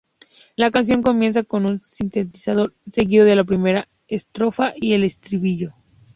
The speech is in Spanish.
La canción comienza con un sintetizador, seguido de la primera estrofa y el estribillo.